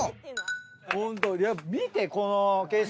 ホント見てこの景色。